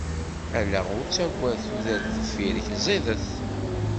Ala ur ttagad, tudert deffir-k ẓidet.